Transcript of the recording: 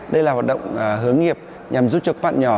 đây là hoạt động hướng nghiệp nhằm giúp cho các bạn nhỏ